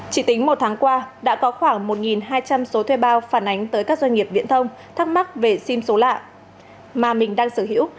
chỉ tính một tháng qua đã có khoảng một hai trăm linh số thuê bao phản ánh tới các doanh nghiệp viễn thông thắc mắc về sim số lạ mà mình đang sở hữu